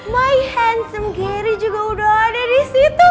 my hansum gary juga udah ada di situ